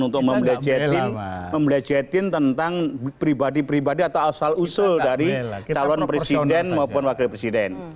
untuk membelejetin tentang pribadi pribadi atau asal usul dari calon presiden maupun wakil presiden